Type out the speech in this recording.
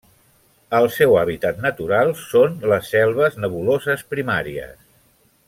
El seu hàbitat natural són les selves nebuloses primàries.